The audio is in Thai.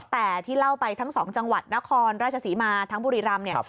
แต่ที่เล่าไปทั้งสองจังหวัดนครราชศรีมาทั้งบุรีรำเนี่ย